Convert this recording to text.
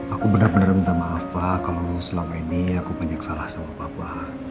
aku benar benar minta maaf pak kalau selama ini aku banyak salah sama bapak